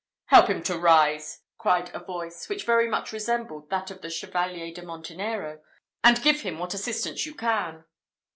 "Help him to rise," cried a voice, which very much resembled that of the Chevalier de Montenero, "and give him what assistance you can."